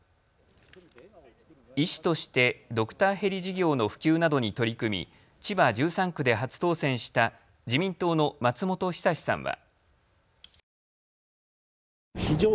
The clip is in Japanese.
医師としてドクターヘリ事業の普及などに取り組み千葉１３区で初当選した自民党の松本尚さんは。